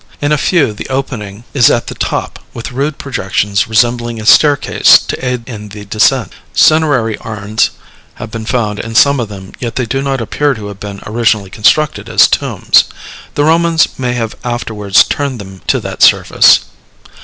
In a few the opening is at the top, with rude projections resembling a staircase to aid in the descent. Cinerary urns have been found in some of them, yet they do not appear to have been originally constructed as tombs. The Romans may have afterwards turned them to that service.